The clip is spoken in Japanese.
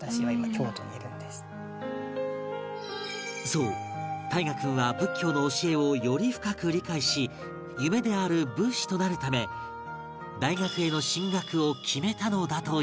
そう汰佳君は仏教の教えをより深く理解し夢である仏師となるため大学への進学を決めたのだという